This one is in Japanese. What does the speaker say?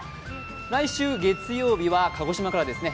来週月曜日は鹿児島からですね。